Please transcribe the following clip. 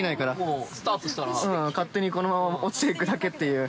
◆うん、勝手にこのまま落ちていくだけっていう◆